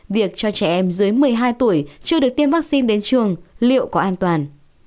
việc cho trẻ em dưới một mươi hai tuổi chưa được tiêm vaccine đến trường liệu có an toàn